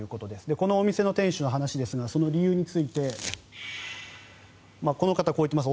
このお店の店主の話ですがその理由についてこの方はこう言っています。